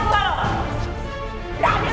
pak saya minta ampun pak